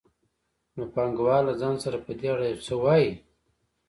نو پانګوال له ځان سره په دې اړه یو څه وايي